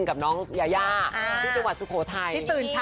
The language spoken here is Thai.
กับน้องแยะให้สุโขทัย